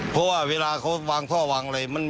เพราะว่าเวลาเขาวางท่อวางอะไร